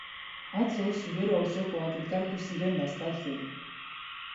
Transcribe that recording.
Atzo Zubero auzokoak elkartu ziren bazkaltzen.